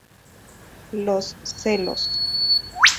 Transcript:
Los celos.